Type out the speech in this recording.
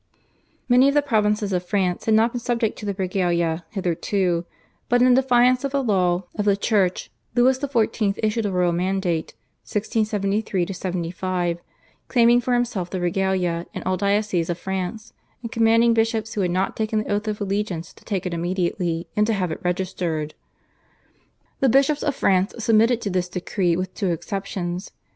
Many of the provinces of France had not been subject to the /Regalia/ hitherto, but in defiance of the law of the Church Louis XIV. issued a royal mandate (1673 75), claiming for himself the /Regalia/ in all dioceses of France, and commanding bishops who had not taken the oath of allegiance to take it immediately and to have it registered. The bishops of France submitted to this decree with two exceptions.